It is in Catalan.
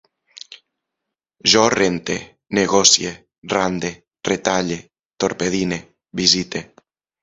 Jo rente, negocie, rande, retalle, torpedine, visite